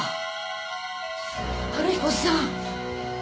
春彦さん。